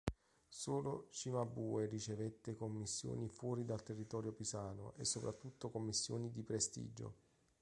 Solo Cimabue ricevette commissioni fuori dal territorio pisano e soprattutto commissioni di prestigio.